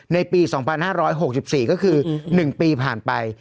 ในปี๒๕๖๔ก็คือ๑ปีผ่านไป